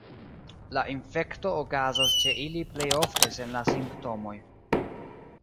La infekto okazas ĉe ili plej ofte sen la simptomoj.